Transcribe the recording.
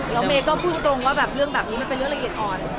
แล้วเมย์ก็พูดตรงว่าแบบเรื่องแบบนี้มันเป็นเรื่องละเอียดอ่อน